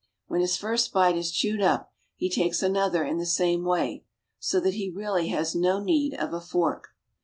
When his first bite is chewed up he takes another in the same way, so that he really has no need of a fork.